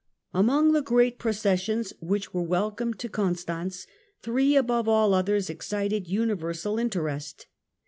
Amongst the great processions which were welcomed to Constance, three above all others excited universal interest.